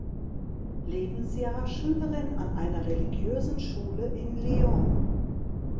Lebensjahr Schülerin an einer religiösen Schule in Lyon.